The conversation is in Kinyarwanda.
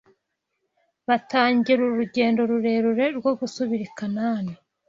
batangira urugendo rurerure rwo gusubira i Kanani